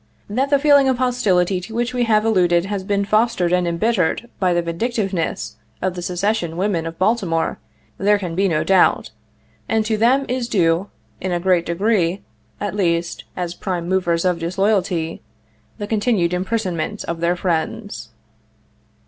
That the feeling of hostility to which we have alluded has been fos tered and embittered by the vindictiveness of the Secession women of Baltimore there can be no doubt; and to them is due — in a great degree, at least — as prime movers of disloyalty, the continued impris onment of their friends.